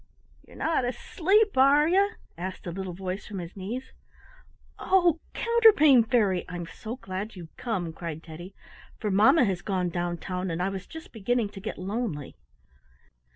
"You're not asleep, are you?" asked a little voice from his knees. "Oh, Counterpane Fairy, I'm so glad you've come," cried Teddy, "for mamma has gone down town, and I was just beginning to get lonely."